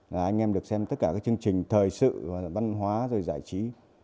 là anh em được xem tất cả các chương trình thời sự văn hóa rồi giải trí